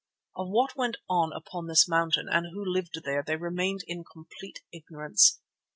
Of what went on upon this mountain and who lived there they remained in complete ignorance.